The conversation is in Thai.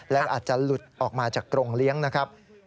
แล้วอาจจะหลุดออกมาจากกรงเลี้ยงนะครับ